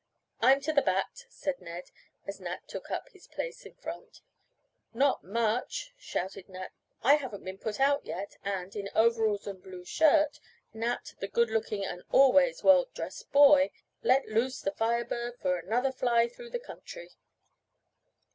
"I'm to the bat," said Ned, as Nat took up his place in front. "Not much," shouted Nat. "I haven't been put out yet, and, in overalls and blue shirt, Nat, the good looking and always well dressed boy, let loose the Fire Bird for another fly through the country."